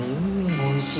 おいしい！